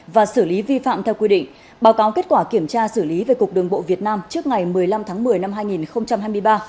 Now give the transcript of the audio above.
và xử lý vi phạm theo quy định báo cáo kết quả kiểm tra xử lý về cục đường bộ việt nam trước ngày một mươi năm tháng một mươi năm hai nghìn hai mươi ba